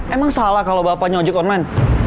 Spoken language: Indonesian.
emang salah kalau bapaknya ojek online